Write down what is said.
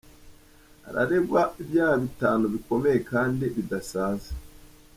Areregwa ibyaha bitanu bikomeye kandi Bidasaza.